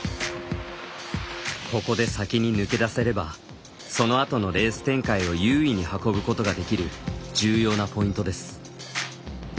ここで先に抜け出せればその後のレース展開を優位に運ぶことができる重要なポイントです。